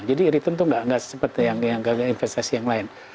jadi return tuh nggak seperti yang investasi yang lain